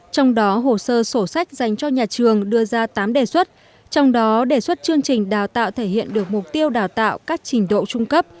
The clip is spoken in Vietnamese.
trong đó hồ sơ sổ sách dành cho nhà trường đưa ra tám đề xuất trong đó đề xuất chương trình đào tạo thể hiện được mục tiêu đào tạo các trình độ trung cấp